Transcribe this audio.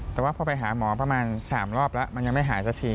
แต่ว่าพอไปหาหมอประมาณ๓รอบแล้วมันยังไม่หายสักที